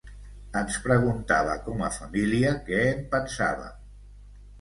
Ens preguntava com a família què en pensàvem.